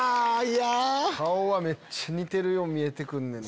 顔めっちゃ似てるように見えてくんねんな。